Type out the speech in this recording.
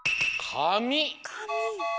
「かみ」。